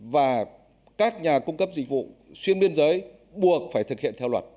và các nhà cung cấp dịch vụ xuyên biên giới buộc phải thực hiện theo luật